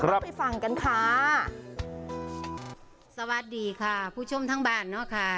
เราไปฟังกันค่ะสวัสดีค่ะผู้ชมทั้งบ้านเนอะค่ะ